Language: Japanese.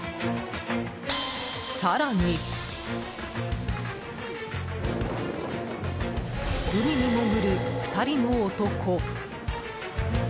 更に、海に潜る２人の男。